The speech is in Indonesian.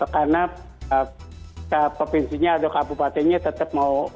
karena provinsinya atau kabupatennya tetap mau melakukan